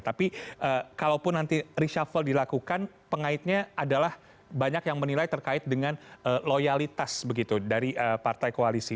tapi kalaupun nanti reshuffle dilakukan pengaitnya adalah banyak yang menilai terkait dengan loyalitas begitu dari partai koalisi